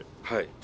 はい。